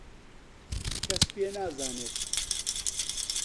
کەس پێ نازانێت.